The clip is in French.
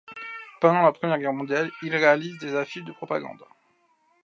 Pendant la Première Guerre mondiale, il réalise des affiches de propagande.